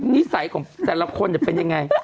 นิสัยของแต่ละคนจะเป็นยังไง